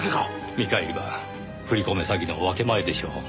見返りは振り込め詐欺の分け前でしょう。